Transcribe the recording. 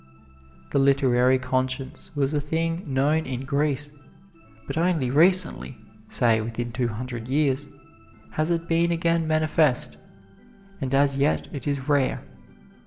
The literary conscience was a thing known in Greece, but only recently, say within two hundred years, has it been again manifest, and as yet it is rare.